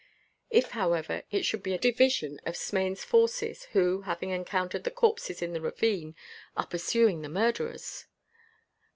If, however, it should be a division of Smain's forces who, having encountered the corpses in the ravine, are pursuing the murderers?